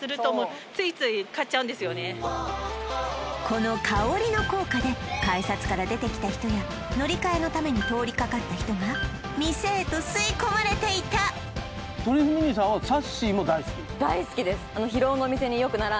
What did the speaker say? この香りの効果で改札から出てきた人や乗り換えのために通りかかった人が店へと吸い込まれていたトリュフミニさんは並んで買うんだ